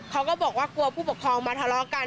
เขาก็บอกว่ากลัวผู้ปกครองมาทะเลาะกัน